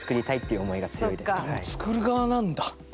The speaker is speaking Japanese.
もう作る側なんだ。